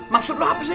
maksud lu apa sih